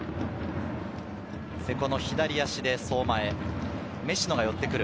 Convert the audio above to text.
瀬古の左足で相馬へ、食野が寄ってくる。